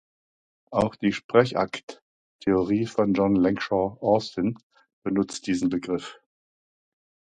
Auch die Sprechakt-Theorie von John Langshaw Austin benutzt diesen Begriff.